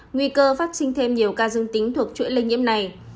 nguy cơ phát sinh thêm nhiều ca dương tính thuộc chuỗi lây nhiễm này